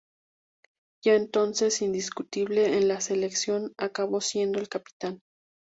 Ya entonces indiscutible en la selección acabó siendo el capitán.